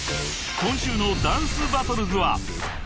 ［今週の『ダンスバトルズ』は］